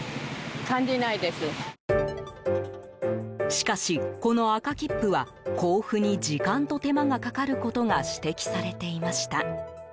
しかし、この赤切符は交付に時間と手間がかかることが指摘されていました。